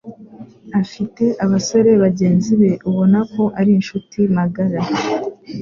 afite abasore bagenzi be ubona ko ari inshuti magara